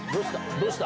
どうした？